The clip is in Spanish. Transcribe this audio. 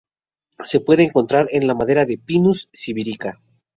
Se puede encontrar en la madera de "Pinus sibirica".